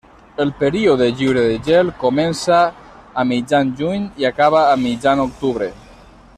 El període lliure de gel comença a mitjan juny i acaba a mitjan octubre.